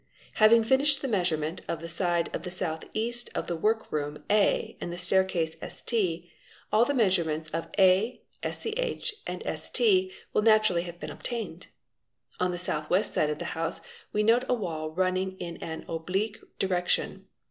Having finished the measurement of the side to the south east of the work room A and the staircase St, all the measurements of A, Sch, and St, will naturally have been obtained. On the south west side of the house we note a wall running in an oblique direction.